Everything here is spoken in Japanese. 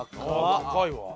高いわ。